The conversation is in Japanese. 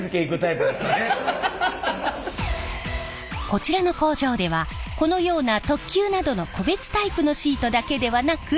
こちらの工場ではこのような特急などの個別タイプのシートだけではなく。